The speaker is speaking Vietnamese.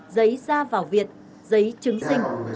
giấy ra vào việt giấy chứng sinh